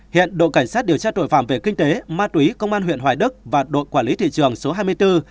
hiện đội cảnh sát điều tra tội phạm về kinh tế ma túy công an huyện hoài đức và đội quản lý thị trường số hai mươi bốn